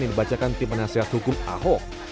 yang dibacakan tim penasehat hukum ahok